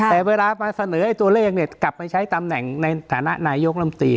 แต่เวลามาเสนอตัวเลขกลับไปใช้ตำแหน่งในฐานะนายกลำตี